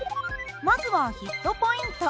まずはヒットポイント。